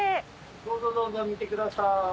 どうぞどうぞ見てください。